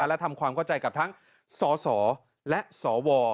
และทำความเข้าใจกับทั้งสสและสว